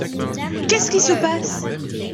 Qu’est-ce qui se passe ?